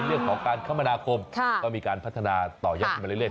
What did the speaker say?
เรื่องของการคมนาคมก็มีการพัฒนาต่อยอดขึ้นมาเรื่อย